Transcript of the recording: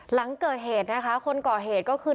หลังเกิดเหตุนะคะคนก่อเหตุก็คือ